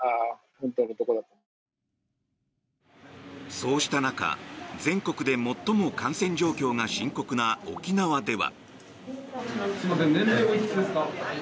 そうした中、全国で最も感染状況が深刻な沖縄では。